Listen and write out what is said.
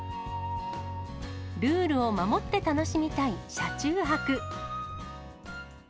ルールを守って楽しみたい車中泊。